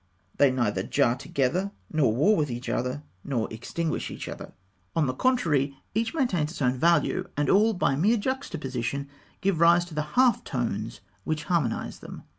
They neither jar together, nor war with each other, nor extinguish each other. On the contrary, each maintains its own value, and all, by mere juxtaposition, give rise to the half tones which harmonise them.